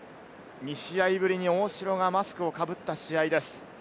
２試合ぶりに大城がマスクをかぶった試合です。